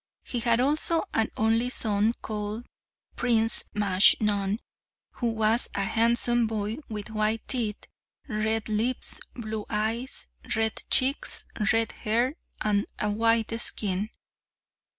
He had also an only son called Prince Majnun, who was a handsome boy with white teeth, red lips, blue eyes, red cheeks, red hair, and a white skin.